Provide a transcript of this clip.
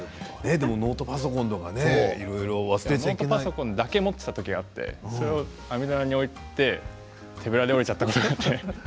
ノートパソコンとかねノートパソコンだけ持っていた時があってそれを網棚に置いて手ぶらで降りちゃったことがあって。